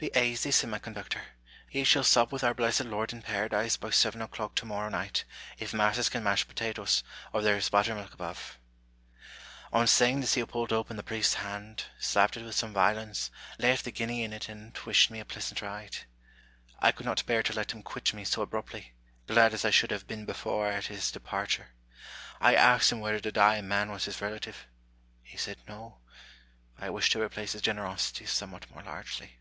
" Be aisy !" said my conductor. " He shall sup with our blessed Lord in Paradise by seven o'clock tomorrow night, if masses can mash potatoes, or there is butter milk above." On saying this he pulled open the priest's hand, slapped it with some violence, left the guinea in it, and wished me fn, BOUL TER A ND SA VA GE. i rg pleasant ride. I could not bear to let him quit me so abruptly, glad as I should have been before at his de parture. I asked him whether the dying man was his relative. He said, " No." I wished to replace his generosity somewhat more largely.